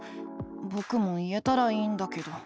ぼくも言えたらいいんだけど。